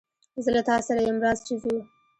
زه له تاسره ېم رازه چې ځو